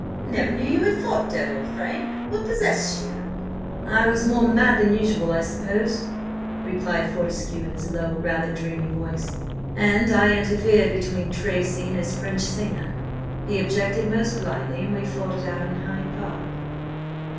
"Never knew you had fought Devil, Frank? What possessed you?" "I was more mad than usual, I suppose," replied Fortescue in his low, rather dreamy voice, "and I interfered between Tracy and his French singer. He objected most politely, and we fought it out in Hyde Park."